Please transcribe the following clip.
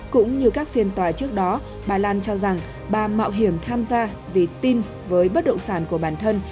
cũng như các phiên tòa trước đó bà lan cho rằng bà mạo hiểm tham gia vì tin với bất động sản của bản thân